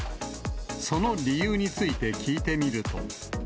その理由について聞いてみると。